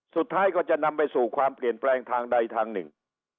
สุดท้ายก็จะนำไปสู่ความเปลี่ยนแปลงทางใดทางหนึ่ง